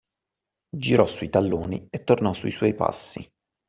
Girò sui talloni e tornò sui suoi passi.